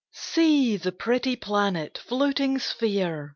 SEE, the pretty Planet! Floating sphere!